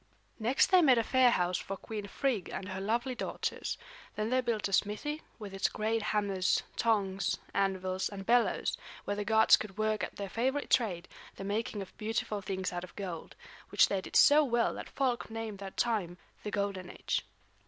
Next they made a fair house for Queen Frigg and her lovely daughters. Then they built a smithy, with its great hammers, tongs, anvils, and bellows, where the gods could work at their favorite trade, the making of beautiful things out of gold; which they did so well that folk name that time the Golden Age.